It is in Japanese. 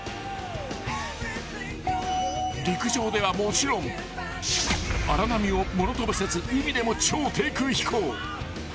［陸上ではもちろん荒波を物ともせず海でも超低空飛行］